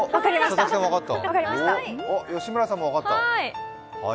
佐々木さんも分かった。